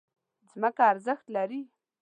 ځمکه ارزښت لري.